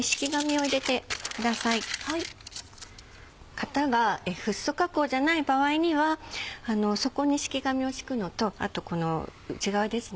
型がフッ素加工じゃない場合には底に敷紙を敷くのとあと内側ですね